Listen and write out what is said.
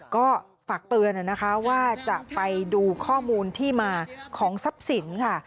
ก็ฝากเตือนนะคะว่าจะไปดูข้อมูลที่มาของทรัพย์สินค่ะ